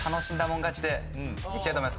でいきたいと思います！